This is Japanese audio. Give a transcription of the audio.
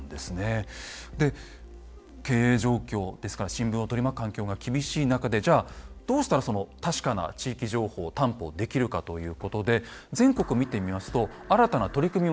で経営状況ですから新聞を取り巻く環境が厳しい中でじゃあどうしたらその確かな地域情報を担保できるかということで全国見てみますと新たな取り組み